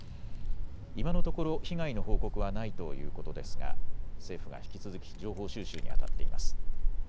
今のところ被害の報告はないということですが政府が引き続き情報収集にあたっています。